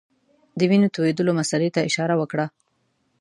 د وینو تویېدلو مسلې ته اشاره وکړه.